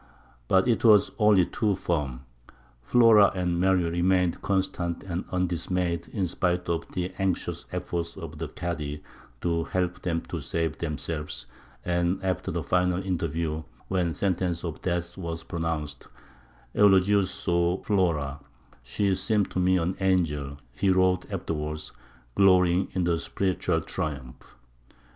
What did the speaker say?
But it was only too firm. Flora and Mary remained constant and undismayed in spite of the anxious efforts of the Kādy to help them to save themselves; and after the final interview, when sentence of death was pronounced, Eulogius saw Flora: "She seemed to me an angel," he wrote afterwards, glorying in the spiritual triumph.